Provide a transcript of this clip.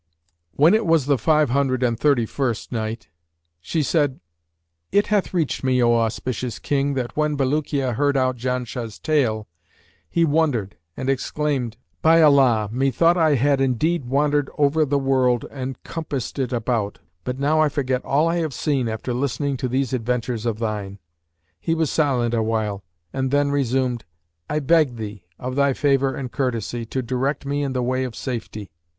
When it was the Five Hundred and Thirty first Night, She said, It hath reached me, O auspicious King, that "when Bulukiya heard out Janshah's tale he wondered and exclaimed, 'By Allah, methought I had indeed wandered over the world and compassed it about; but now I forget all I have seen after listening to these adventures of thine!' He was silent a while and then resumed, 'I beg thee, of thy favour and courtesy, to direct me in the way of safety.'